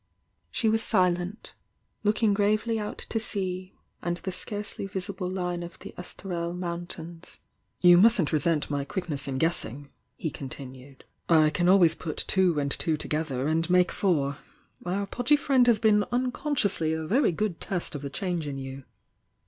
She was silent, looking gravely out to sea and the scarcely visible line of the Esterel Mountains. "You mustn't resent my quickness in guessing!" ho continued. "I can always put two and two to gether and .Jake four! Our podgy friend has been unconsciously a very good test of the change in you."